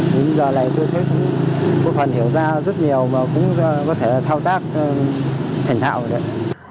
giờ này tôi thấy bộ phận hiểu ra rất nhiều và cũng có thể thao tác thành thạo rồi đấy